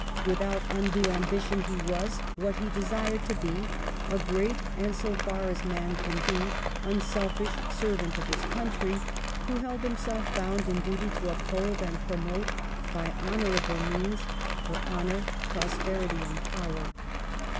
Without undue ambition he was, what he desired to be, a great and, so far as man can be, un selfish servant of his country, who held himself bound in duty to uphold and promote by honourable means her honour, prosperity, and power.